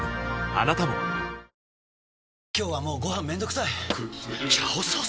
あなたも今日はもうご飯めんどくさい「炒ソース」！？